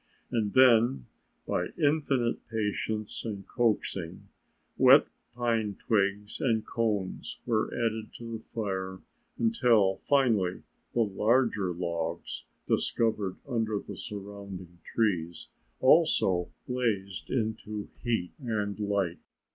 And then by infinite patience and coaxing, wet pine twigs and cones were added to the fire until finally the larger logs, discovered under the surrounding trees, also blazed into heat and light.